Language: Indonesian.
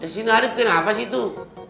si narif kenapa sih tuh